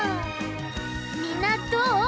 みんなどう？